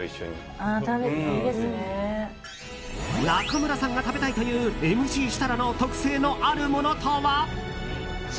中村さんが食べたいというＭＣ設楽の特製のあるものとは？